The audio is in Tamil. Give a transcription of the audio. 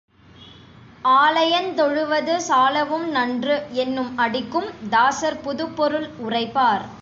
ஆலயந் தொழுவது சாலவும் நன்று என்னும் அடிக்கும் தாசர் புதுப்பொருள் உரைப்பார்.